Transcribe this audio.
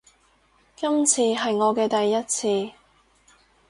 今次係我嘅第一次